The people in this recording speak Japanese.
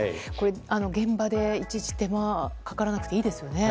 現場で、いちいち手間がかからなくていいですよね。